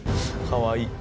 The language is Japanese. かわいい。